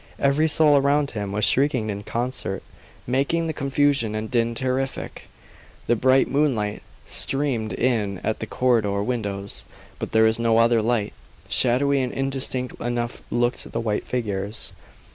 Every soul around him was shrieking in concert, making the confusion and din terrific. The bright moonlight streamed in at the corridor windows, but there was no other light; shadowy and indistinct enough looked the white figures.